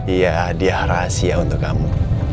iya hadiah rahasia untuk kamu